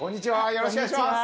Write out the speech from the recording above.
よろしくお願いします！